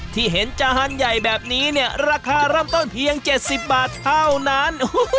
ที่เห็นจานใหญ่แบบนี้เนี่ยราคาเริ่มต้นเพียง๗๐บาทเท่านั้น